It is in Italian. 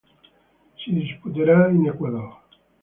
Si disputerà in Ecuador.